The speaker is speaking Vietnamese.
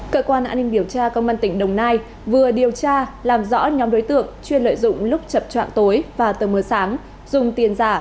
cơ quan an ninh điều tra công an tỉnh đồng nai vừa điều tra làm rõ nhóm đối tượng chuyên lợi dụng lúc chập trọn tối và tờ mờ sáng dùng tiền giả